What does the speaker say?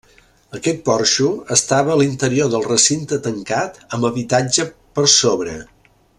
Aquest porxo estava a l'interior del recinte tancat, amb habitatge per sobre.